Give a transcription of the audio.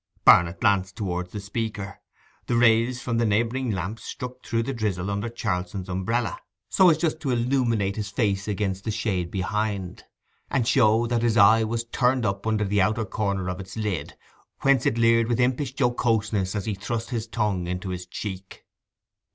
Barnet glanced towards the speaker. The rays from a neighbouring lamp struck through the drizzle under Charlson's umbrella, so as just to illumine his face against the shade behind, and show that his eye was turned up under the outer corner of its lid, whence it leered with impish jocoseness as he thrust his tongue into his cheek.